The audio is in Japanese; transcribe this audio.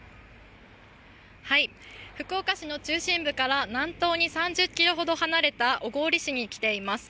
福岡市の中心部から南東に３０ｋｍほど離れた小郡市に来ています。